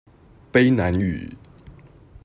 卑南語